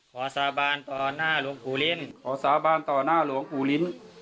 ขอสาบานต่อหน้าหลวงภูรินทร์ขอสาบานต่อหน้าหลวงภูรินทร์